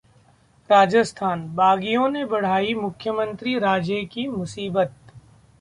राजस्थान: बागियों ने बढ़ाई मुख्यमंत्री राजे की मुसीबत